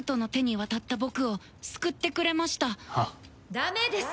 ダメです！